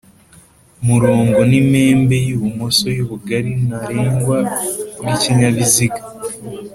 murongo n'impembe y'ibumoso y'ubugari ntarengwa bw'ikinyabiziga.